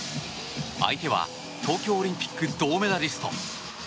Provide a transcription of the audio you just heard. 相手は東京オリンピック銅メダリスト。